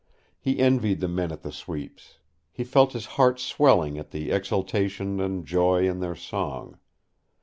He envied the men at the sweeps; he felt his heart swelling at the exultation and joy in their song.